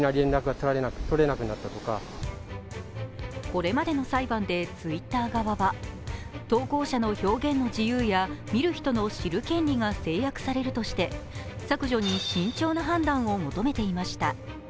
これまでの裁判でツイッター側は、投稿者の表現の自由や見る人の知る権利が制約されるとして、削除に慎重な判断を求めていました。